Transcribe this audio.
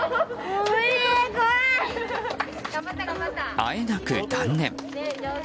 あえなく断念。